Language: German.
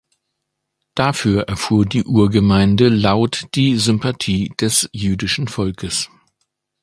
Dafür erfuhr die Urgemeinde laut die Sympathie des jüdischen Volkes.